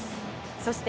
そして